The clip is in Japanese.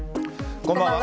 こんばんは。